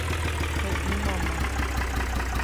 He'i mama.